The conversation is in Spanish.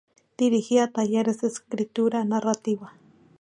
Dirigía talleres de escritura narrativa.